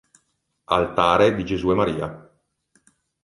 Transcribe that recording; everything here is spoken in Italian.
Altare di Gesù e Maria.